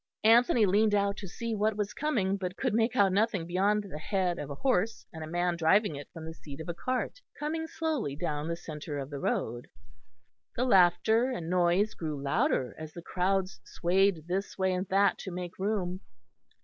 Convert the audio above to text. Anthony leaned out to see what was coming, but could make out nothing beyond the head of a horse, and a man driving it from the seat of a cart, coming slowly down the centre of the road. The laughter and noise grew louder as the crowds swayed this way and that to make room.